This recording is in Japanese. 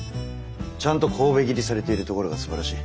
ちゃんと神戸切りされているところがすばらしい。